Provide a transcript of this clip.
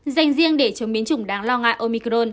dành riêng để chống biến chủng đáng lo ngại omicron